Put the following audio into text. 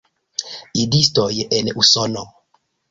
Idistoj en Usono?